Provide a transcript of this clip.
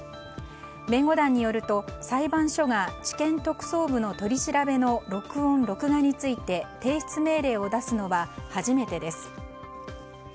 弁護団によると、裁判所が地検特捜部の取り調べの録音・録画について提出命令を出すのは初めてです。